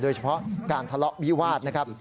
โดยเฉพาะการทะเลาะวิวาสนะครับ